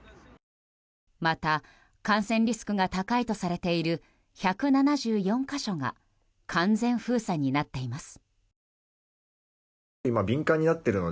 また、感染リスクが高いとされている１７４か所が完全封鎖になっています。